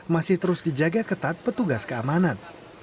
masih terus dijaga ketat petugas keamanan